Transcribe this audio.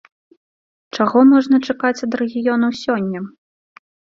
Чаго можна чакаць ад рэгіёнаў сёння?